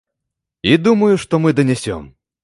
І думаю, што мы данясём.